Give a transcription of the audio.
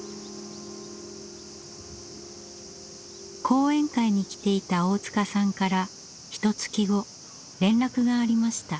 講演会に来ていた大塚さんからひとつき後連絡がありました。